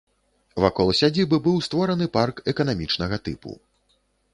Вакол сядзібы быў створаны парк эканамічнага тыпу.